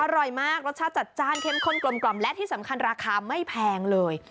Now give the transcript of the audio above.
อร่อยมากรสชาติจัดจ้านเข้มข้นกลมและที่สำคัญราคาไม่แพงเลย